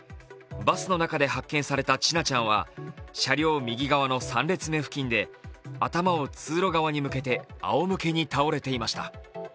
バスの中で発見された千奈ちゃんは車両右側の３列目付近で頭を通路側に向けて仰向けに倒れていました。